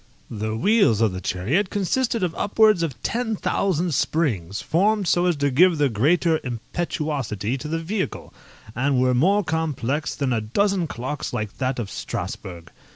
The wheels of the chariot consisted of upwards of ten thousand springs, formed so as to give the greater impetuosity to the vehicle, and were more complex than a dozen clocks like that of Strasburgh.